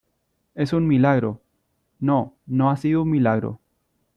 es un milagro. no, no ha sido un milagro ,